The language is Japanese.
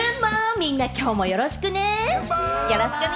みんなきょうもよろしくね！